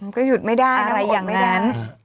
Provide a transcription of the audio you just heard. ก็หยุดไม่ได้อะไรอย่างนั้น